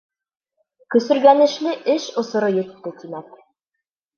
Көсөргәнешле эш осоро етте, тимәк.